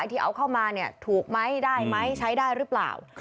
พอค้าที่เอาเข้ามาเนี่ยถูกไหมได้ไหมใช้ได้หรือเปล่า